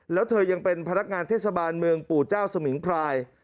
แล้วเธอยังเป็นพนักงานเทศบาลเมืองปู่เจ้าสมิงพราย